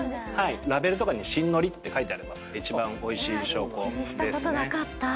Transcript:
ラベルとかに「新のり」って書いてあれば一番おいしい証拠。